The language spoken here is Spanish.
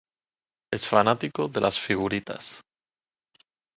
Es fanático de las figuritas.